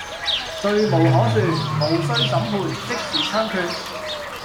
罪無可恕，無需審判，即時槍決